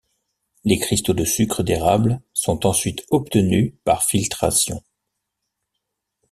Les cristaux de sucre d'érable sont ensuite obtenus par filtration.